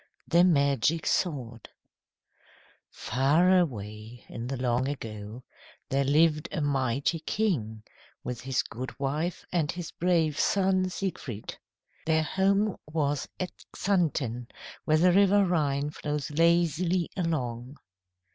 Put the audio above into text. THE MAGIC SWORD FAR away in the long ago there lived a mighty king with his goodwife and his brave son, Siegfried. Their home was at Xanten, where the river Rhine flows lazily along.